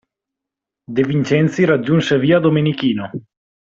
De Vincenzi raggiunse via Domenichino.